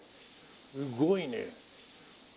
すごいね。